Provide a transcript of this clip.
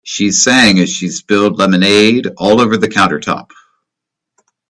She sang as she spilled lemonade all over the countertop.